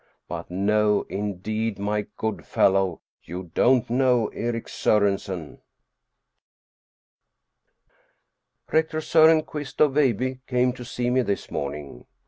But no indeed, my good fellow, you don't know Erik Sorensen ! Rector Soren Quist of Veilbye came to see me this morning.